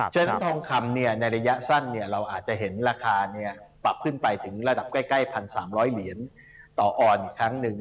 ฉะนั้นทองคำในระยะสั้นเราอาจจะเห็นราคาปรับขึ้นไปถึงระดับใกล้๑๓๐๐เหรียญต่อออนอีกครั้งหนึ่ง